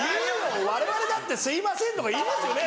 われわれだって「すいません」とか言いますよね。